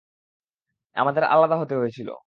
আমাদের আলাদা হতে হয়েছিল।